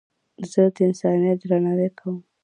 زه د انسانیت درناوی کوم.